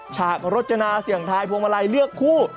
ฉากรจนาเสี่ยงทายพวงมาลัยเลือกคู่